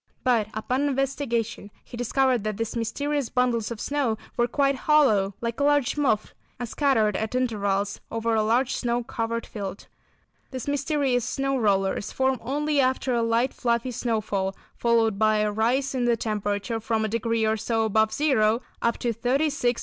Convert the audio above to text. But upon investigation he discovered that these mysterious bundles of snow were quite hollow, like a large muff, and scattered at intervals over a large snow covered field. These mysterious snow rollers form only after a light fluffy snowfall, followed by a rise in the temperature, from a degree or so above zero up to 36° or 38° above, accompanied by a peculiar stray gusty wind.